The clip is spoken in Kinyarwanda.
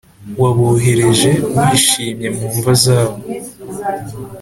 wabohereje wishimye mu mva zabo